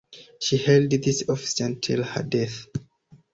She held this office until her death.